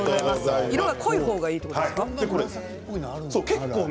色が濃い方がいいということですか？